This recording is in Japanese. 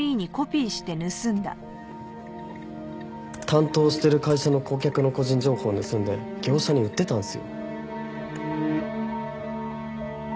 担当してる会社の顧客の個人情報盗んで業者に売ってたんすよ。